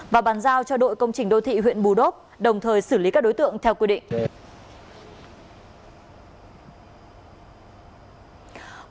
và bàn giao cho đội công trình đô thị huyện bù đốp đồng thời xử lý các đối tượng theo quy định